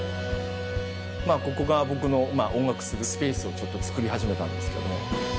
ここが僕の音楽するスペースをちょっとつくり始めたんですけども。